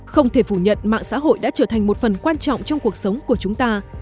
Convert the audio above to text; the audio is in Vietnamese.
không thể phủ nhận mạng xã hội đã trở thành một phần quan trọng trong cuộc sống của chúng ta